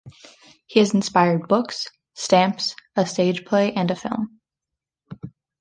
He has inspired books, stamps, a stage play and a film.